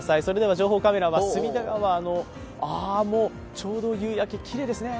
情報カメラは隅田川のちょうど夕焼け、きれいですね。